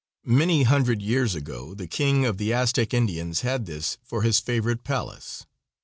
Many hundred years ago the King of the Aztec Indians had this for his favorite palace.